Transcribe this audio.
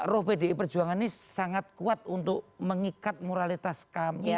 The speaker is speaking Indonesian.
roh pdi perjuangan ini sangat kuat untuk mengikat moralitas kami